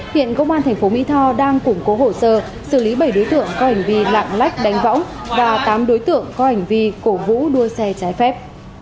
hiện công an thành phố mỹ tho đang củng cố hồ sơ xử lý bảy đối tượng có hành vi lạng lách đánh võng và tám đối tượng có hành vi cổ vũ đua xe trái phép